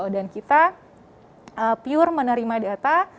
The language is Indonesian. dan kita pure menerima data